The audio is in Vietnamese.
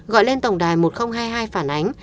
gọi lên tổng đài một nghìn hai mươi hai phản ánh